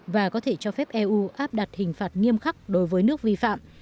và có thể cho phép eu áp đặt hình phạt nghiêm khắc đối với nước vi phạm